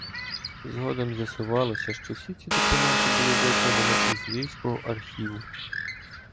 Згодом з'ясувалось, що всі ці документи було викрадено із львівського архіву.